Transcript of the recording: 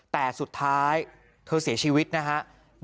แต่สุดท้ายเธอเสียชีวิตนะครับ